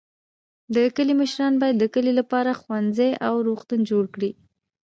د کلي مشران باید د کلي لپاره ښوونځی او روغتون جوړ کړي.